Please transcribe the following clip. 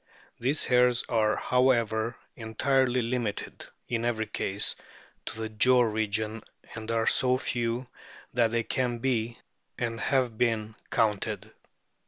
These hairs are, however, entirely limited, in every case, to the jaw region, and are so few that they can be, and have been, counted.